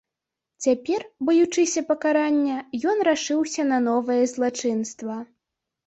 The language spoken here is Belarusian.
Цяпер, баючыся пакарання, ён рашыўся на новае злачынства.